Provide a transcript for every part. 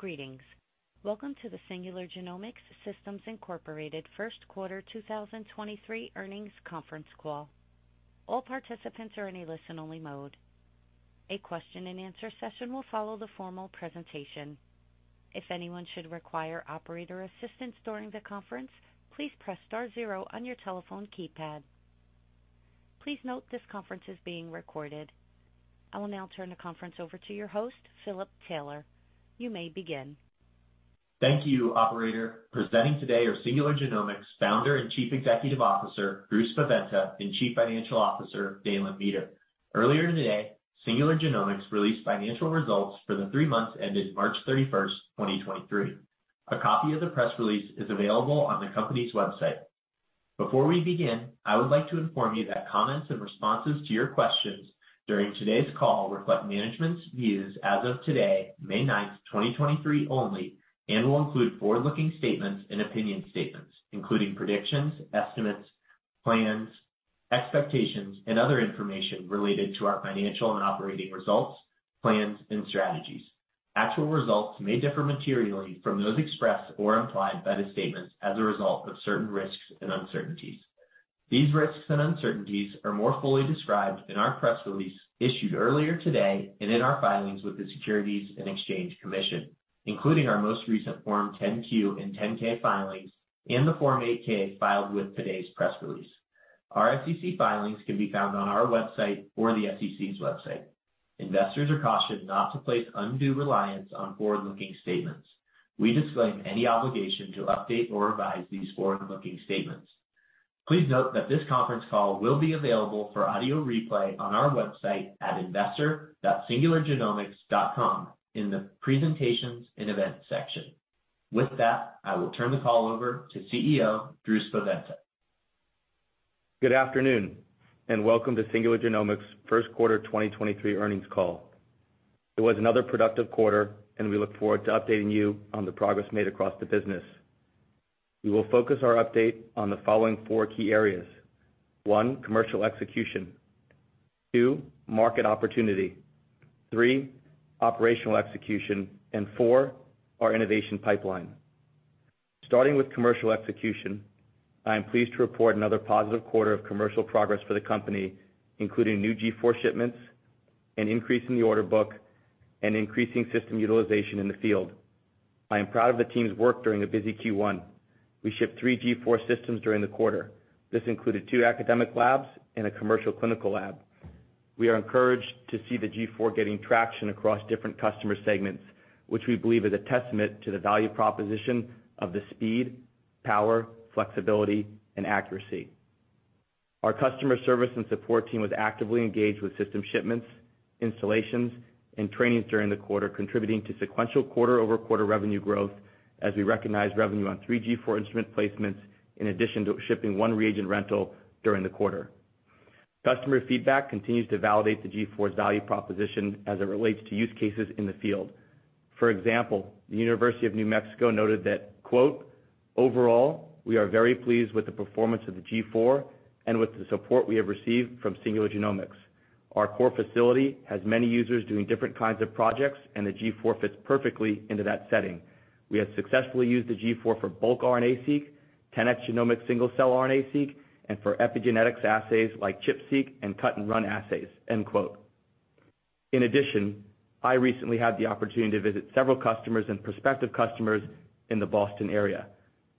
Greetings. Welcome to the Singular Genomics Systems, Inc. 1Q 2023 Earnings Conference Call. All participants are in a listen-only mode. A question-and-answer session will follow the formal presentation. If anyone should require operator assistance during the conference, please press star zero on your telephone keypad. Please note this conference is being recorded. I will now turn the conference over to your host, Philip Taylor. You may begin. Thank you, operator. Presenting today are Singular Genomics Founder and Chief Executive Officer, Drew Spaventa, and Chief Financial Officer, Dalen Meeter. Earlier in the day, Singular Genomics released financial results for the 3 months ended 31 March 2023. A copy of the press release is available on the company's website. Before we begin, I would like to inform you that comments and responses to your questions during today's call reflect management's views as of today,9 May 2023 only and will include forward-looking statements and opinion statements, including predictions, estimates, plans, expectations, and other information related to our financial and operating results, plans, and strategies. Actual results may differ materially from those expressed or implied by the statements as a result of certain risks and uncertainties. These risks and uncertainties are more fully described in our press release issued earlier today and in our filings with the Securities and Exchange Commission, including our most recent Form 10-Q and 10-K filings and the Form 8-K filed with today's press release. Our SEC filings can be found on our website or the SEC's website. Investors are cautioned not to place undue reliance on forward-looking statements. We disclaim any obligation to update or revise these forward-looking statements. Please note that this conference call will be available for audio replay on our website at investor.singulargenomics.com in the Presentations and Events section. With that, I will turn the call over to CEO, Drew Spaventa. Good afternoon, welcome to Singular Genomics' 1Q 2023 earnings call. It was another productive quarter, and we look forward to updating you on the progress made across the business. We will focus our update on the following four key areas. One, commercial execution. Two, market opportunity. Three, operational execution. Four, our innovation pipeline. Starting with commercial execution, I am pleased to report another positive quarter of commercial progress for the company, including new G4 shipments, an increase in the order book, and increasing system utilization in the field. I am proud of the team's work during a busy Q1. We shipped three G4 systems during the quarter. This included two academic labs and a commercial clinical lab. We are encouraged to see the G4 getting traction across different customer segments, which we believe is a testament to the value proposition of the speed, power, flexibility, and accuracy. Our customer service and support team was actively engaged with system shipments, installations, and trainings during the quarter, contributing to sequential quarter-over-quarter revenue growth as we recognized revenue on 3 G4 instrument placements in addition to shipping one reagent rental during the quarter. Customer feedback continues to validate the G4's value proposition as it relates to use cases in the field. For example, the University of New Mexico noted that, quote, "Overall, we are very pleased with the performance of the G4 and with the support we have received from Singular Genomics. Our core facility has many users doing different kinds of projects, and the G4 fits perfectly into that setting. We have successfully used the G4 for bulk RNA-seq, 10x Genomics single-cell RNA-seq, and for epigenetics assays like ChIP-seq and CUT&RUN assays." End quote. In addition, I recently had the opportunity to visit several customers and prospective customers in the Boston area.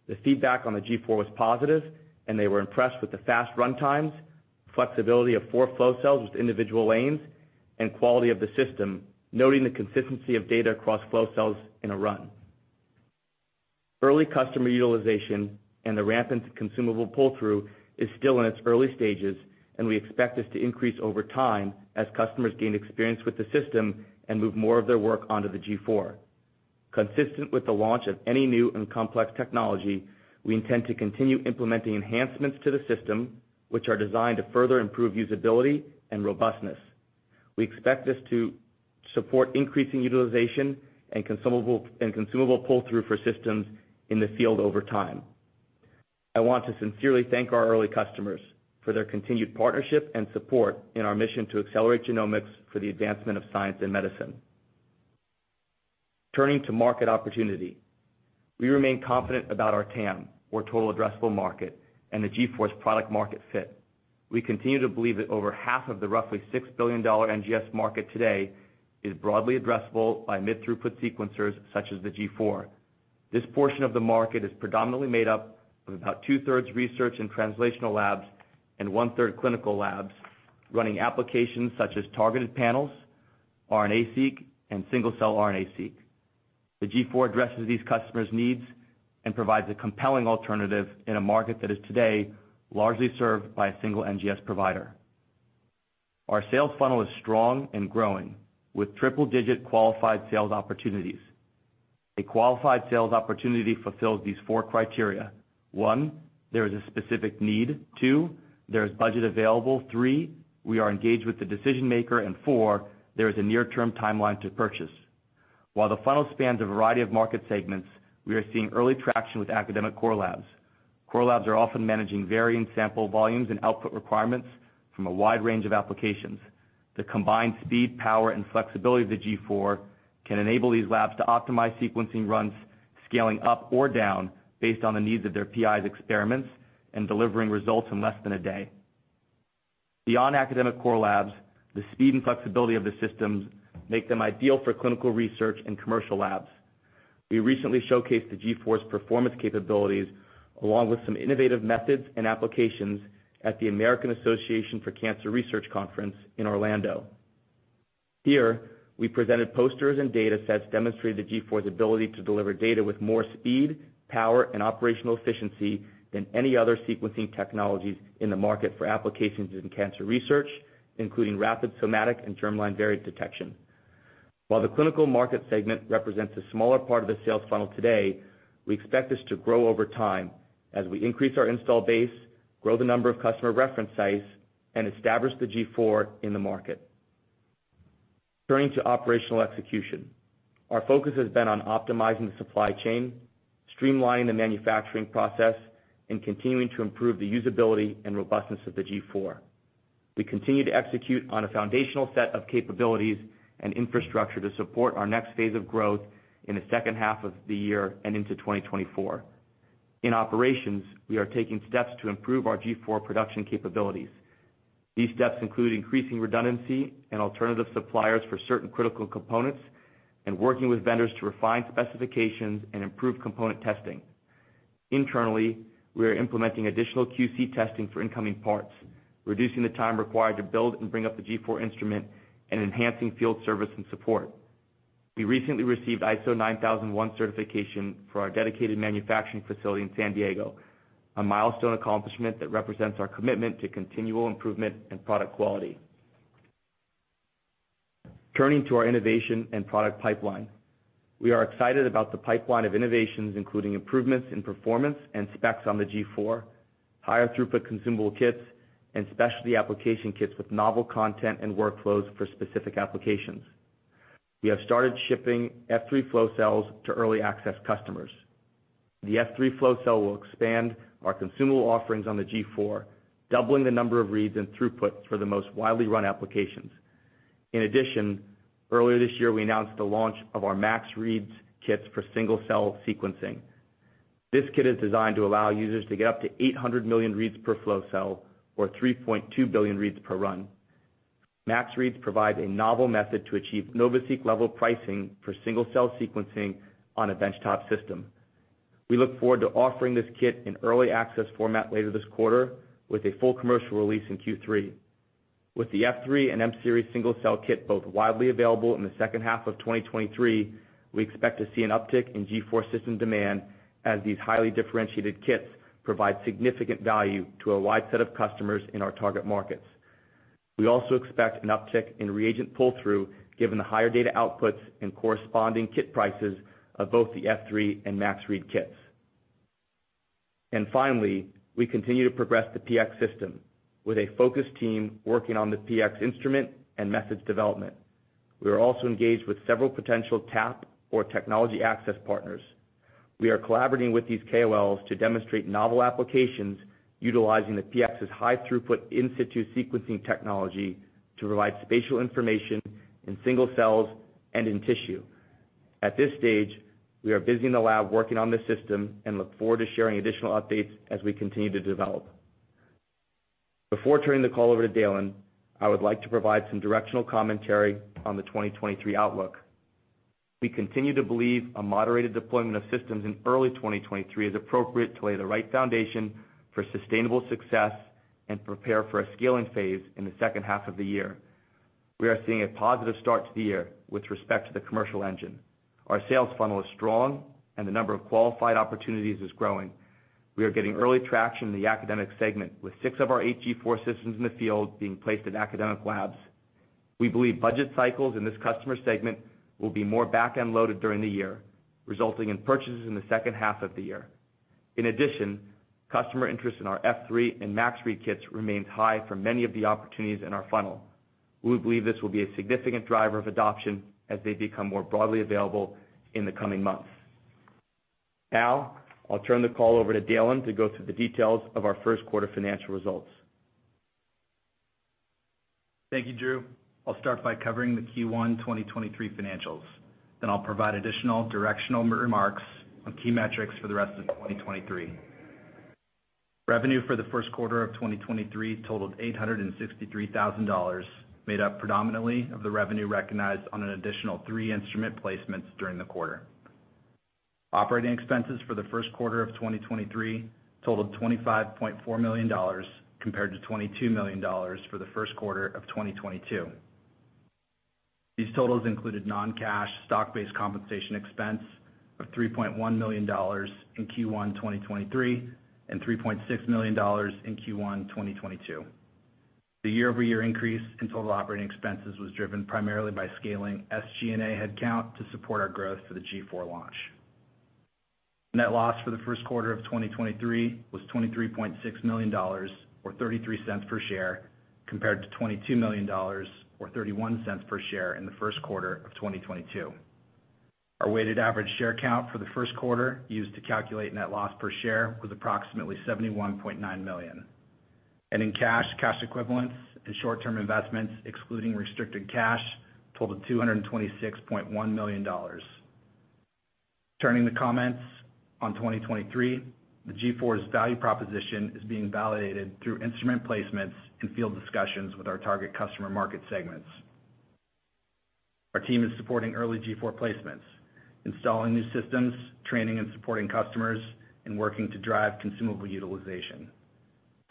The feedback on the G4 was positive, and they were impressed with the fast run times, flexibility of four flow cells with individual lanes, and quality of the system, noting the consistency of data across flow cells in a run. Early customer utilization and the rampant consumable pull-through is still in its early stages, and we expect this to increase over time as customers gain experience with the system and move more of their work onto the G4. Consistent with the launch of any new and complex technology, we intend to continue implementing enhancements to the system, which are designed to further improve usability and robustness. We expect this to support increasing utilization and consumable pull-through for systems in the field over time. I want to sincerely thank our early customers for their continued partnership and support in our mission to accelerate genomics for the advancement of science and medicine. Turning to market opportunity. We remain confident about our TAM, or total addressable market, and the G4's product market fit. We continue to believe that over half of the roughly $6 billion NGS market today is broadly addressable by mid-throughput sequencers such as the G4. This portion of the market is predominantly made up of about two-thirds research and translational labs and one-third clinical labs running applications such as targeted panels, RNA-seq, and single-cell RNA-seq. The G4 addresses these customers' needs and provides a compelling alternative in a market that is today largely served by a single NGS provider. Our sales funnel is strong and growing, with triple-digit qualified sales opportunities. A qualified sales opportunity fulfills these four criteria. One, there is a specific need. Two, there is budget available. three, we are engaged with the decision-maker. Four, there is a near-term timeline to purchase. While the funnel spans a variety of market segments, we are seeing early traction with academic core labs. Core labs are often managing varying sample volumes and output requirements from a wide range of applications. The combined speed, power, and flexibility of the G4 can enable these labs to optimize sequencing runs, scaling up or down based on the needs of their PIs experiments and delivering results in less than a day. Beyond academic core labs, the speed and flexibility of the systems make them ideal for clinical research and commercial labs. We recently showcased the G4's performance capabilities along with some innovative methods and applications at the American Association for Cancer Research Conference in Orlando. Here, we presented posters and data sets demonstrating the G4's ability to deliver data with more speed, power, and operational efficiency than any other sequencing technologies in the market for applications in cancer research, including rapid somatic and germline variant detection. While the clinical market segment represents a smaller part of the sales funnel today, we expect this to grow over time as we increase our install base, grow the number of customer reference sites, and establish the G4 in the market. Turning to operational execution. Our focus has been on optimizing the supply chain, streamlining the manufacturing process, and continuing to improve the usability and robustness of the G4. We continue to execute on a foundational set of capabilities and infrastructure to support our next phase of growth in the H2 of the year and into 2024. In operations, we are taking steps to improve our G4 production capabilities. These steps include increasing redundancy and alternative suppliers for certain critical components and working with vendors to refine specifications and improve component testing. Internally, we are implementing additional QC testing for incoming parts, reducing the time required to build and bring up the G4 instrument, and enhancing field service and support. We recently received ISO 9001 certification for our dedicated manufacturing facility in San Diego, a milestone accomplishment that represents our commitment to continual improvement and product quality. Turning to our innovation and product pipeline. We are excited about the pipeline of innovations, including improvements in performance and specs on the G4, higher throughput consumable kits, and specialty application kits with novel content and workflows for specific applications. We have started shipping F3 flow cells to early access customers. The F3 flow cell will expand our consumable offerings on the G4, doubling the number of reads and throughput for the most widely run applications. Earlier this year, we announced the launch of our Max Reads kits for single-cell sequencing. This kit is designed to allow users to get up to 800 million reads per flow cell or 3.2 billion reads per run. Max Reads provides a novel method to achieve NovaSeq level pricing for single-cell sequencing on a benchtop system. We look forward to offering this kit in early access format later this quarter with a full commercial release in Q3. With the F3 and M Series single-cell kit both widely available in the H2 of 2023, we expect to see an uptick in G4 system demand as these highly differentiated kits provide significant value to a wide set of customers in our target markets. We also expect an uptick in reagent pull-through, given the higher data outputs and corresponding kit prices of both the F3 and Max Read kits. Finally, we continue to progress the PX system with a focused team working on the PX instrument and methods development. We are also engaged with several potential TAP or technology access partners. We are collaborating with these KOLs to demonstrate novel applications utilizing the PX's high throughput in situ sequencing technology to provide spatial information in single cells and in tissue. At this stage, we are busy in the lab working on this system and look forward to sharing additional updates as we continue to develop. Before turning the call over to Dalen, I would like to provide some directional commentary on the 2023 outlook. We continue to believe a moderated deployment of systems in early 2023 is appropriate to lay the right foundation for sustainable success and prepare for a scaling phase in the H2 of the year. We are seeing a positive start to the year with respect to the commercial engine. Our sales funnel is strong, and the number of qualified opportunities is growing. We are getting early traction in the academic segment, with six of our eight G4 systems in the field being placed in academic labs. We believe budget cycles in this customer segment will be more back-end loaded during the year, resulting in purchases in the H2 of the year. In addition, customer interest in our F3 and Max Read kits remains high for many of the opportunities in our funnel. We believe this will be a significant driver of adoption as they become more broadly available in the coming months. Now, I'll turn the call over to Dalen to go through the details of our 1Q financial results. Thank you, Drew. I'll start by covering the Q1 2023 financials. I'll provide additional directional remarks on key metrics for the rest of 2023. Revenue for the 1Q of 2023 totaled $863,000, made up predominantly of the revenue recognized on an additional three instrument placements during the quarter. Operating expenses for the 1Q of 2023 totaled $25.4 million compared to $22 million for the 1Q of 2022. These totals included non-cash stock-based compensation expense of $3.1 million in Q1 2023, and $3.6 million in Q1 2022. The year-over-year increase in total operating expenses was driven primarily by scaling SG&A headcount to support our growth for the G4 launch. Net loss for the 1Q of 2023 was $23.6 million, or $0.33 per share, compared to $22 million or $0.31 per share in the 1Q of 2022. Our weighted average share count for the 1Q used to calculate net loss per share was approximately 71.9 million. Ending cash equivalents and short-term investments, excluding restricted cash, totaled $226.1 million. Turning to comments on 2023, the G4's value proposition is being validated through instrument placements and field discussions with our target customer market segments. Our team is supporting early G4 placements, installing new systems, training and supporting customers, and working to drive consumable utilization.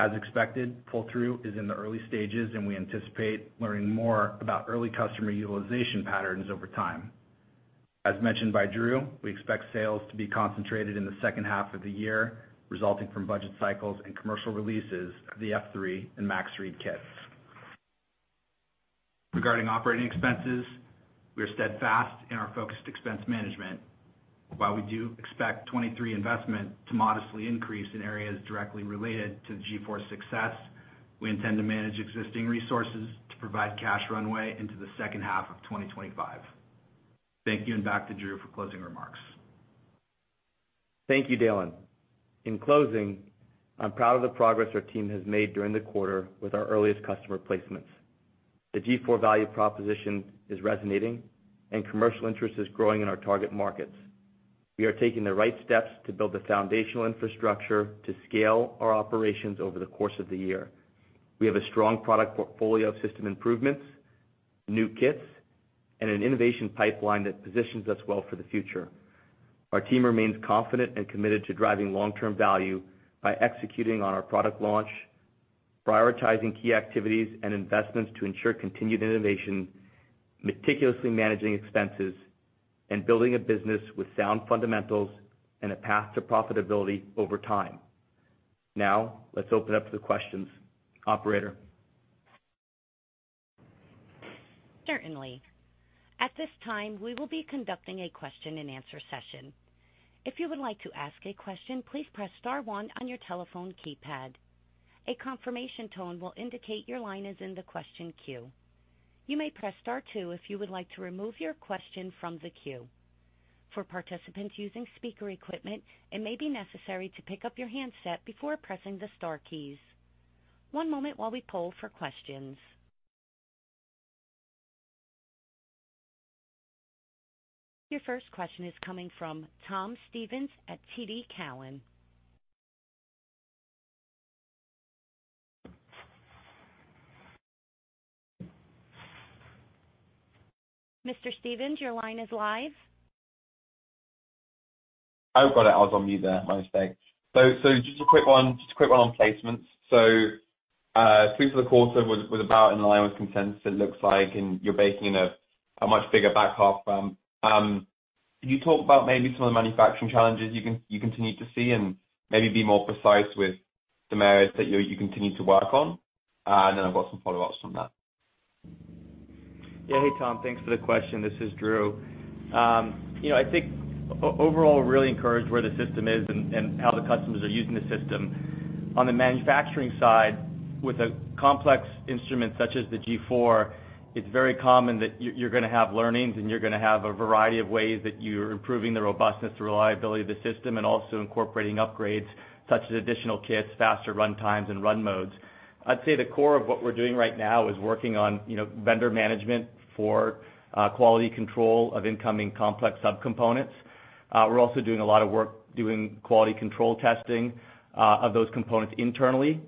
As expected, pull-through is in the early stages, we anticipate learning more about early customer utilization patterns over time. As mentioned by Drew, we expect sales to be concentrated in the H2 of the year, resulting from budget cycles and commercial releases of the F3 and Max Read kits. Regarding operating expenses, we are steadfast in our focused expense management. While we do expect 2023 investment to modestly increase in areas directly related to the G4 success, we intend to manage existing resources to provide cash runway into the H2 of 2025. Thank you. Back to Drew for closing remarks. Thank you, Dalen. In closing, I'm proud of the progress our team has made during the quarter with our earliest customer placements. The G4 value proposition is resonating. Commercial interest is growing in our target markets. We are taking the right steps to build the foundational infrastructure to scale our operations over the course of the year. We have a strong product portfolio of system improvements, new kits, and an innovation pipeline that positions us well for the future. Our team remains confident and committed to driving long-term value by executing on our product launch, prioritizing key activities and investments to ensure continued innovation, meticulously managing expenses, and building a business with sound fundamentals and a path to profitability over time. Now, let's open up to the questions. Operator? Certainly. At this time, we will be conducting a question-and-answer session. If you would like to ask a question, please press star one on your telephone keypad. A confirmation tone will indicate your line is in the question queue. You may press star two if you would like to remove your question from the queue. For participants using speaker equipment, it may be necessary to pick up your handset before pressing the star keys. One moment while we poll for questions. Your first question is coming from Tom Stevens at TD Cowen. Mr. Stevens, your line is live. Got it. I was on mute there. My mistake. Just a quick one on placements. Fees for the quarter was about in line with consensus it looks like, and you're baking a much bigger back half from. Can you talk about maybe some of the manufacturing challenges you continue to see and maybe be more precise with some areas that you continue to work on? Then I've got some follow-ups from that. Yeah. Hey, Tom. Thanks for the question. This is Drew. You know, I think overall, we're really encouraged where the system is and how the customers are using the system. On the manufacturing side, with a complex instrument such as the G4, it's very common that you're gonna have learnings, and you're gonna have a variety of ways that you're improving the robustness and reliability of the system and also incorporating upgrades such as additional kits, faster run times and run modes. I'd say the core of what we're doing right now is working on, you know, vendor management for quality control of incoming complex subcomponents. We're also doing a lot of work doing quality control testing of those components internally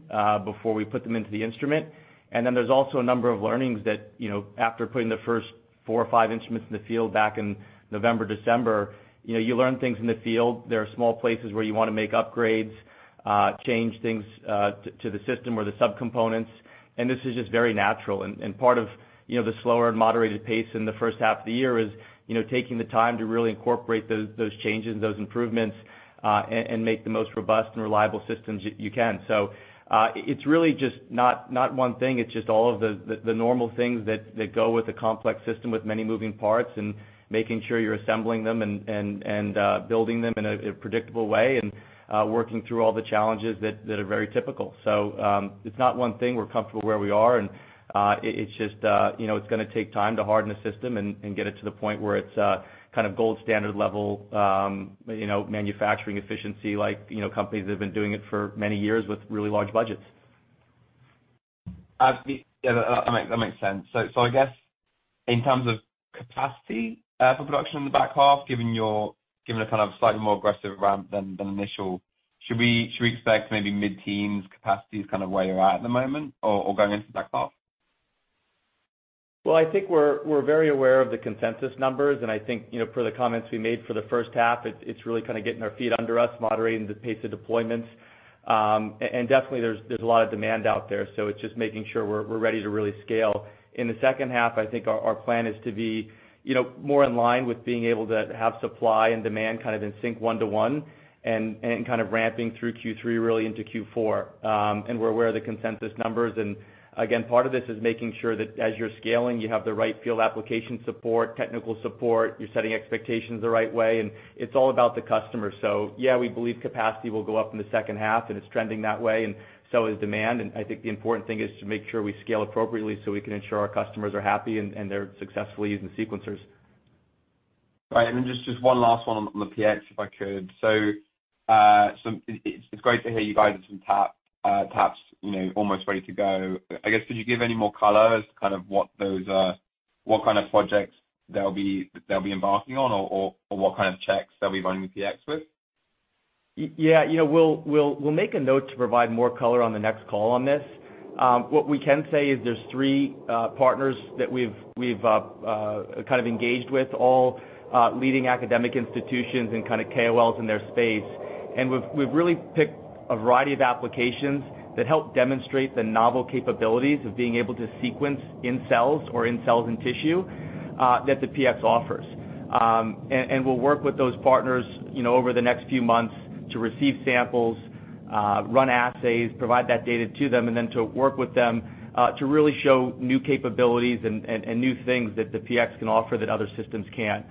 before we put them into the instrument. Then there's also a number of learnings that, you know, after putting the first four or five instruments in the field back in November, December, you know, you learn things in the field. There are small places where you wanna make upgrades, change things, to the system or the subcomponents, and this is just very natural. Part of, you know, the slower and moderated pace in the H1 of the year is, you know, taking the time to really incorporate those changes and those improvements, and make the most robust and reliable systems you can. It's really just not one thing, it's just all of the normal things that go with a complex system with many moving parts and making sure you're assembling them and building them in a predictable way and working through all the challenges that are very typical. It's not one thing. We're comfortable where we are, and it's just, you know, it's gonna take time to harden the system and get it to the point where it's kind of gold standard level, you know, manufacturing efficiency like, you know, companies that have been doing it for many years with really large budgets. Yeah, that makes sense. I guess in terms of capacity for production in the back half, given a kind of slightly more aggressive ramp than initial, should we expect maybe mid-teens capacities kind of where you're at at the moment or going into the back half? Well, I think we're very aware of the consensus numbers, and I think, you know, for the comments we made for the H1, it's really kind of getting our feet under us, moderating the pace of deployments. Definitely there's a lot of demand out there, so it's just making sure we're ready to really scale. In the H2, I think our plan is to be, you know, more in line with being able to have supply and demand kind of in sync 1 to 1 and kind of ramping through Q3 really into Q4. We're aware of the consensus numbers. Again, part of this is making sure that as you're scaling, you have the right field application support, technical support, you're setting expectations the right way, and it's all about the customer. Yeah, we believe capacity will go up in the H2, and it's trending that way, and so is demand. I think the important thing is to make sure we scale appropriately so we can ensure our customers are happy and they're successfully using sequencers. Right. Just one last one on the PX, if I could. It's great to hear you guys have some TAP, TAPs, you know, almost ready to go. I guess, could you give any more color as to kind of what those are, what kind of projects they'll be embarking on or what kind of checks they'll be running the PX with? Yeah, you know, we'll make a note to provide more color on the next call on this. What we can say is there's three partners that we've kind of engaged with all leading academic institutions and kind of KOLs in their space. We've really picked a variety of applications that help demonstrate the novel capabilities of being able to sequence in cells or in cells and tissue that the PX offers. We'll work with those partners, you know, over the next few months to receive samples, run assays, provide that data to them, then to work with them to really show new capabilities and new things that the PX can offer that other systems can't.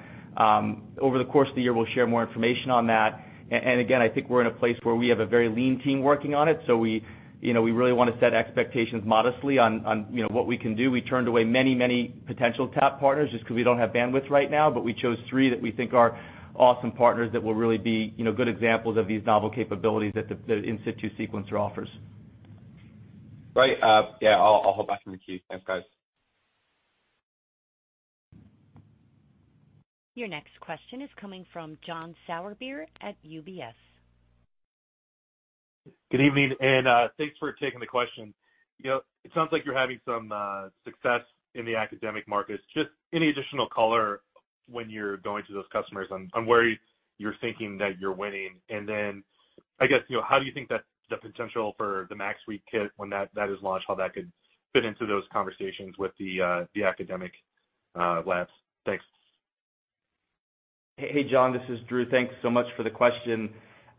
Over the course of the year, we'll share more information on that. Again, I think we're in a place where we have a very lean team working on it. We, you know, we really wanna set expectations modestly on, you know, what we can do. We turned away many potential TAP partners just 'cause we don't have bandwidth right now. We chose three that we think are awesome partners that will really be, you know, good examples of these novel capabilities that the in situ sequencer offers. Right. Yeah, I'll hold back from the queue. Thanks, guys. Your next question is coming from John Sourbeer at UBS. Good evening, thanks for taking the question. You know, it sounds like you're having some success in the academic markets. Just any additional color when you're going to those customers on where you're thinking that you're winning. I guess, you know, how do you think that the potential for the Max Read kit when that is launched, how that could fit into those conversations with the academic labs? Thanks. Hey, John, this is Drew. Thanks so much for the question.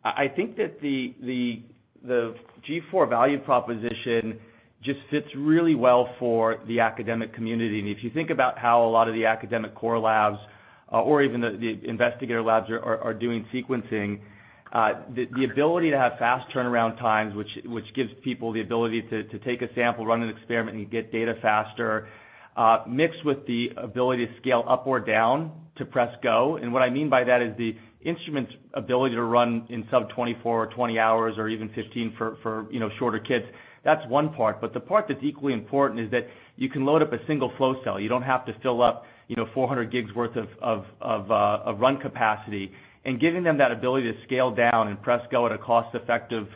I think that the G4 value proposition just fits really well for the academic community. If you think about how a lot of the academic core labs, or even the investigator labs are doing sequencing, the ability to have fast turnaround times, which gives people the ability to take a sample, run an experiment, and get data faster, mixed with the ability to scale up or down to press go. What I mean by that is the instrument's ability to run in sub 24 or 20 hours or even 15 for, you know, shorter kits. That's one part. The part that's equally important is that you can load up a single flow cell. You don't have to fill up, you know, 400 gigs worth of run capacity. Giving them that ability to scale down and press go at a cost effective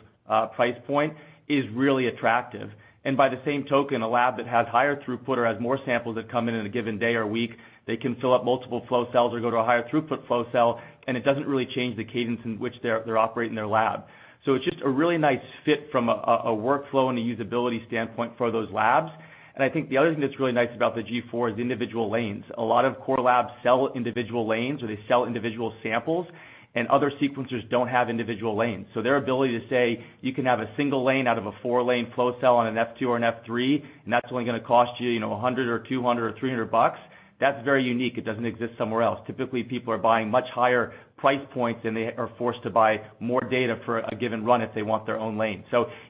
price point is really attractive. By the same token, a lab that has higher throughput or has more samples that come in in a given day or week, they can fill up multiple flow cells or go to a higher throughput flow cell, and it doesn't really change the cadence in which they're operating their lab. It's just a really nice fit from a workflow and a usability standpoint for those labs. I think the other thing that's really nice about the G4 is individual lanes. A lot of core labs sell individual lanes, or they sell individual samples, and other sequencers don't have individual lanes. Their ability to say, you can have a single lane out of a 4-lane flow cell on an F2 or an F3, and that's only gonna cost you know, $100 or $200 or $300 bucks, that's very unique. It doesn't exist somewhere else. Typically, people are buying much higher price points, and they are forced to buy more data for a given run if they want their own lane.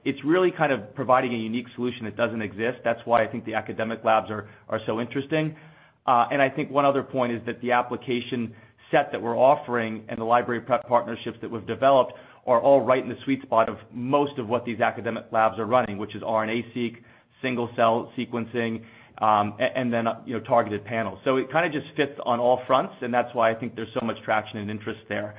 It's really kind of providing a unique solution that doesn't exist. That's why I think the academic labs are so interesting. I think one other point is that the application set that we're offering and the library prep partnerships that we've developed are all right in the sweet spot of most of what these academic labs are running, which is RNA-seq, single-cell sequencing, and then, you know, targeted panels. It kinda just fits on all fronts, and that's why I think there's so much traction and interest there.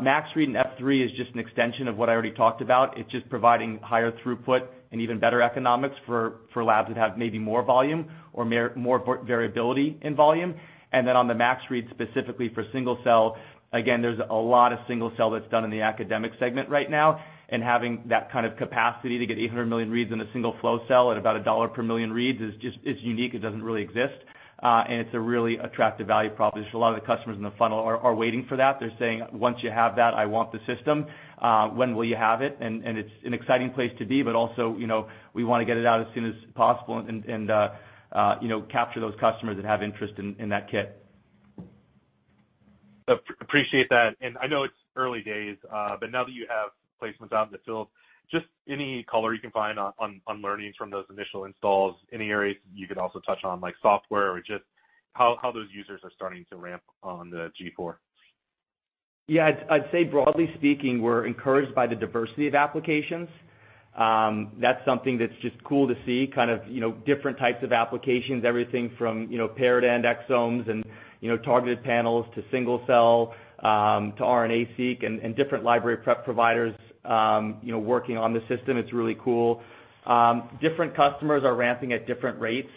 Max Read and F3 is just an extension of what I already talked about. It's just providing higher throughput and even better economics for labs that have maybe more volume or more variability in volume. On the Max Read, specifically for single-cell, again, there's a lot of single-cell that's done in the academic segment right now, and having that kind of capacity to get 800 million reads in a single flow cell at about a $1 per million reads is just, it's unique. It doesn't really exist. It's a really attractive value proposition. A lot of the customers in the funnel are waiting for that. They're saying, "Once you have that, I want the system. When will you have it?" It's an exciting place to be, but also, you know, we wanna get it out as soon as possible and, you know, capture those customers that have interest in that kit. Appreciate that. I know it's early days, but now that you have placements out in the field, just any color you can find on learnings from those initial installs, any areas you could also touch on, like software or just how those users are starting to ramp on the G4. Yeah. I'd say broadly speaking, we're encouraged by the diversity of applications. That's something that's just cool to see, kind of, you know, different types of applications, everything from, you know, paired-end exomes and, you know, targeted panels to single cell, to RNA-Seq and different library prep providers, you know, working on the system. It's really cool. Different customers are ramping at different rates.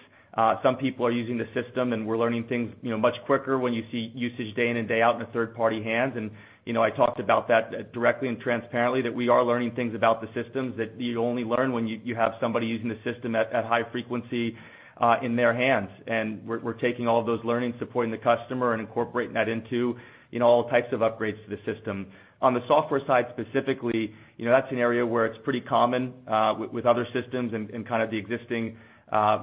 Some people are using the system, and we're learning things, you know, much quicker when you see usage day in and day out in the third-party hands. You know, I talked about that directly and transparently, that we are learning things about the systems that you only learn when you have somebody using the system at high frequency in their hands. We're taking all those learnings, supporting the customer and incorporating that into, you know, all types of upgrades to the system. On the software side specifically, you know, that's an area where it's pretty common with other systems and kind of the existing,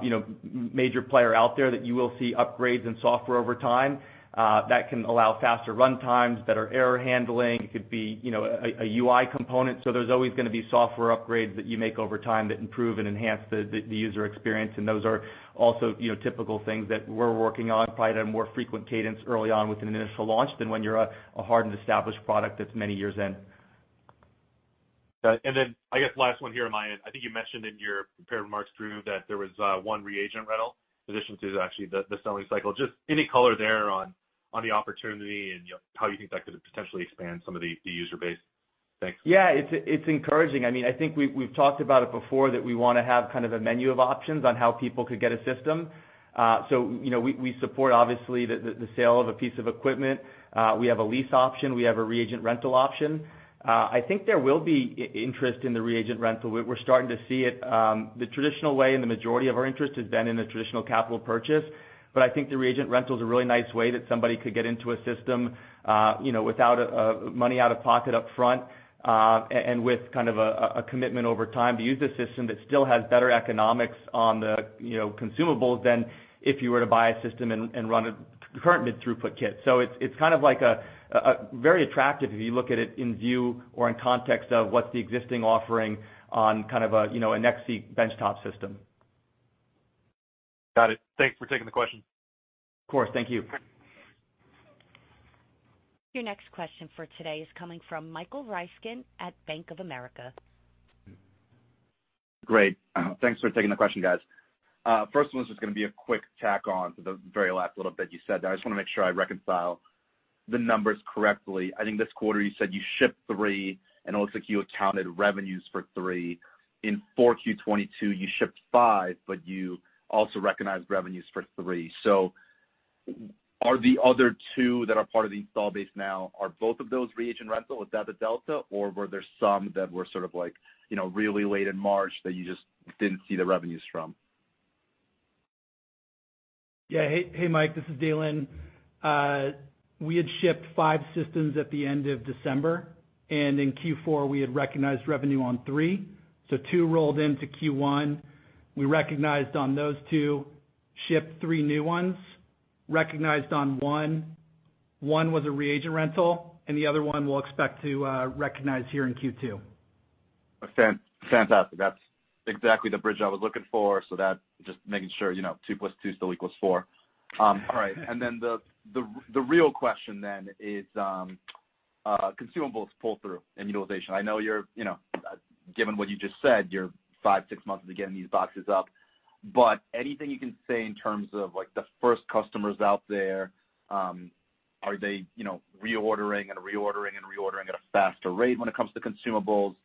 you know, major player out there that you will see upgrades in software over time that can allow faster run times, better error handling. It could be, you know, a UI component. There's always gonna be software upgrades that you make over time that improve and enhance the user experience, and those are also, you know, typical things that we're working on, probably at a more frequent cadence early on with an initial launch than when you're a hard and established product that's many years in. I guess last one here on my end. I think you mentioned in your prepared remarks, Drew, that there was 1 reagent rental in addition to actually the selling cycle. Any color there on the opportunity and, you know, how you think that could potentially expand some of the user base. Thanks. Yeah, it's encouraging. I mean, I think we've talked about it before that we wanna have kind of a menu of options on how people could get a system. You know, we support obviously the sale of a piece of equipment. We have a lease option, we have a reagent rental option. I think there will be interest in the reagent rental. We're starting to see it, the traditional way, and the majority of our interest has been in the traditional capital purchase. I think the reagent rental is a really nice way that somebody could get into a system, you know, without money out of pocket up front, and with kind of a commitment over time to use the system that still has better economics on the consumables than if you were to buy a system and run a current mid throughput kit. It's kind of like a very attractive if you look at it in view or in context of what's the existing offering on kind of a NextSeq benchtop system. Got it. Thanks for taking the question. Of course. Thank you. Your next question for today is coming from Michael Ryskin at Bank of America. Great. Thanks for taking the question, guys. First one is just gonna be a quick tack on to the very last little bit you said there. I just wanna make sure I reconcile the numbers correctly. I think this quarter you said you shipped three, and it looks like you accounted revenues for three. In 4Q 2022, you shipped 5, but you also recognized revenues for three. Are the other two that are part of the install base now, are both of those reagent rental? Is that the delta? Were there some that were sort of like, you know, really late in March that you just didn't see the revenues from? Yeah. Hey, hey, Mike, this is Dalen. We had shipped five systems at the end of December, and in Q4, we had recognized revenue on three. rolled into Q1. We recognized on those two, shipped three new ones, recognized on One. One was a reagent rental, and the other one we'll expect to recognize here in Q2. Fantastic. That just making sure, you know, two plus two still equals four. All right. The real question then is consumables pull-through and utilization. I know you're, you know, given what you just said, you're five, six months into getting these boxes up. Anything you can say in terms of like the first customers out there, are they, you know, reordering and reordering and reordering at a faster rate when it comes to consumables?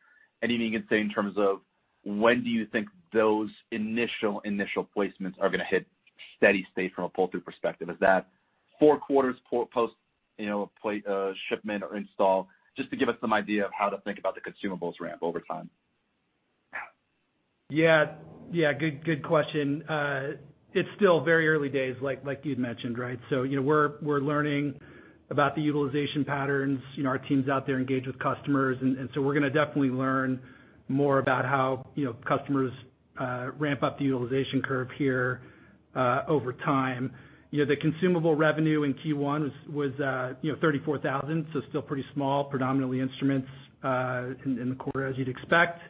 Anything you can say in terms of when do you think those initial placements are gonna hit steady state from a pull-through perspective? Is that four quarters post, you know, a plate shipment or install? Just to give us some idea of how to think about the consumables ramp over time. Yeah. Yeah, good question. It's still very early days, like you'd mentioned, right? You know, we're learning about the utilization patterns. You know, our team's out there engaged with customers, we're gonna definitely learn more about how, you know, customers ramp up the utilization curve here over time. You know, the consumable revenue in Q1 was, you know, $34,000, still pretty small, predominantly instruments in the quarter as you'd expect.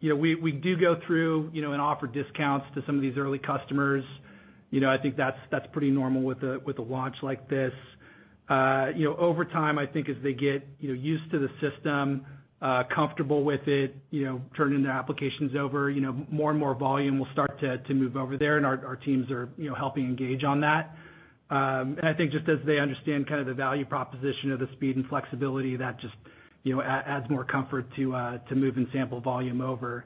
You know, we do go through, you know, and offer discounts to some of these early customers. You know, I think that's pretty normal with a, with a launch like this. You know, over time, I think as they get, you know, used to the system, comfortable with it, you know, turning their applications over, you know, more and more volume will start to move over there, and our teams are, you know, helping engage on that. And I think just as they understand kind of the value proposition of the speed and flexibility, that just, you know, adds more comfort to move and sample volume over.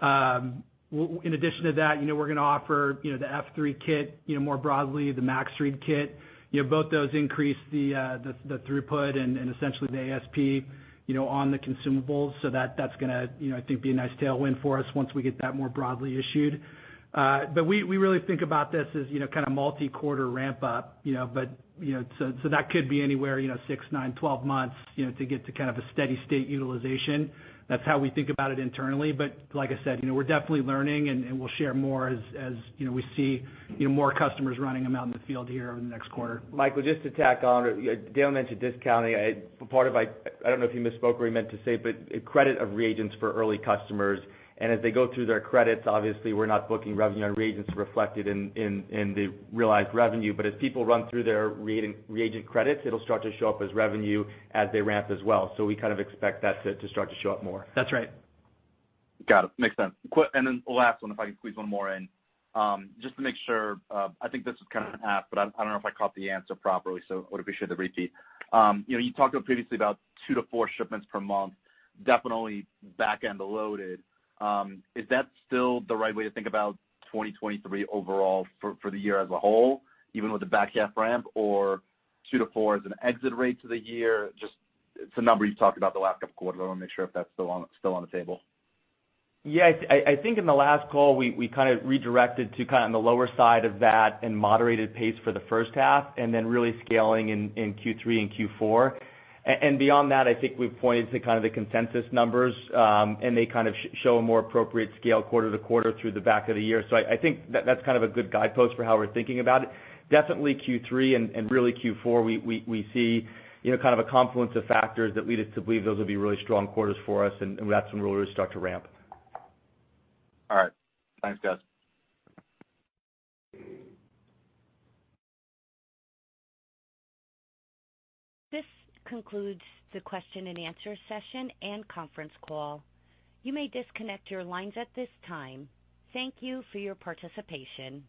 In addition to that, you know, we're gonna offer, you know, the F3 kit, you know, more broadly, the Max Read kit. You know, both those increase the throughput and essentially the ASP, you know, on the consumables. That's gonna, you know, I think be a nice tailwind for us once we get that more broadly issued. We really think about this as, you know, kinda multi-quarter ramp up, you know. You know, so that could be anywhere, you know, 6, 9, 12 months, you know, to get to kind of a steady state utilization. That's how we think about it internally. Like I said, you know, we're definitely learning and we'll share more as, you know, we see, you know, more customers running them out in the field here over the next quarter. Michael, just to tack on. Dale mentioned discounting. I don't know if you misspoke or you meant to say, but a credit of reagents for early customers. As they go through their credits, obviously we're not booking revenue on reagents reflected in, in the realized revenue. As people run through their reagent credits, it'll start to show up as revenue as they ramp as well. We kind of expect that to start to show up more. That's right. Got it. Makes sense. Then the last one, if I can squeeze one more in? Just to make sure, I think this was kind of asked, but I don't know if I caught the answer properly, so would appreciate the repeat. You know, you talked previously about two to four shipments per month, definitely back-end loaded. Is that still the right way to think about 2023 overall for the year as a whole, even with the back half ramp or two to four as an exit rate to the year? Just it's a number you've talked about the last couple of quarters. I wanna make sure if that's still on the table. Yeah. I think in the last call, we kind of redirected to kind of on the lower side of that and moderated pace for the H1 and then really scaling in Q3 and Q4. Beyond that, I think we've pointed to kind of the consensus numbers, and they kind of show a more appropriate scale quarter-to-quarter through the back of the year. I think that that's kind of a good guidepost for how we're thinking about it. Definitely Q3 and really Q4, we see, you know, kind of a confluence of factors that lead us to believe those will be really strong quarters for us and we have some real start to ramp. All right. Thanks, guys. This concludes the question and answer session and conference call. You may disconnect your lines at this time. Thank you for your participation.